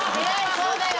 そうだよ。